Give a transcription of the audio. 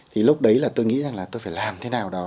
thì lúc đấy là tôi nghĩ rằng là tôi phải làm thế nào đó